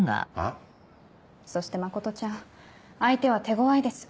そして真ちゃん相手は手ごわいです。